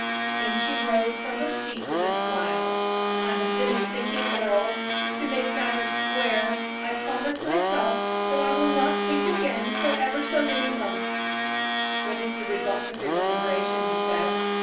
Then she arose from her seat with a smile. "I have finished thinking, Earle. To make matters square, I promise myself that I will not think again for ever so many months." "What is the result of your deliberation?" he said.